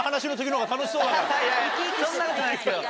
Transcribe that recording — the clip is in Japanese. いやいやそんなことないですけど。